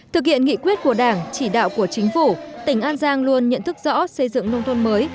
thực hiện nghị quyết của đảng chỉ đạo của chính phủ tỉnh an giang luôn nhận thức rõ xây dựng nông thôn mới